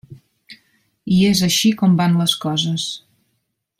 I és així com van les coses.